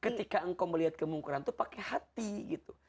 ketika engkau melihat kemungkuran itu pakai hati gitu